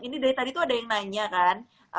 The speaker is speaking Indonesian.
ini dari tadi tuh ada yang nanya kan